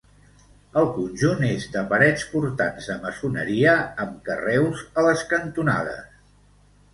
El conjunt és de parets portants de maçoneria, amb carreus a les cantonades.